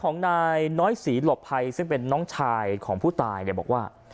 นสิรหลบไพรซึ่งเป็นน้องชายของผู้ตายเรียกบอกว่า